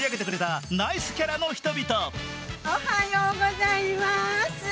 おはようございまーす。